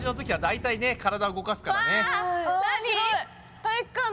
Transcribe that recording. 体育館だ！